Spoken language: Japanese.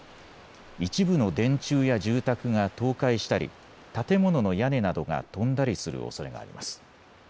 一部の電柱や住宅が倒壊したり建物の屋根などが飛んだりするおそれがあります。